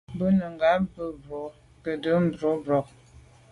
Bú nùngà bì bú’də́ mbrú bì bú’də́ mbrú gə̀ mbrɔ́k.